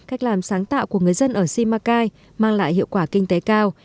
cách làm sáng tạo của người dân ở simacai mang lại hiệu quả kinh tế cao